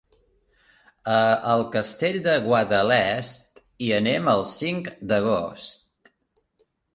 A el Castell de Guadalest hi anem el cinc d'agost.